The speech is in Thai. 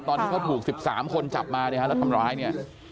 ตอนที่เขาถูก๑๓คนจับมาเนี่ยฮะแล้วทำร้ายเนี่ย